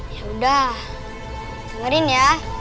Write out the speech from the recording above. yaudah dengerin ya